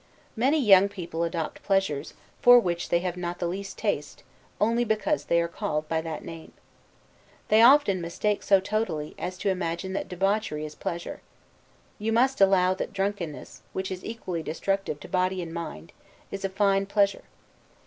Many young people adopt pleasures, for which they have not the least taste, only because they are called by that name. They often mistake so totally, as to imagine that debauchery is pleasure. You must allow that drunkenness, which is equally destructive to body and mind, is a fine pleasure.